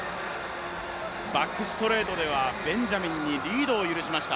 バックストレートではベンジャミンにリードを許しました。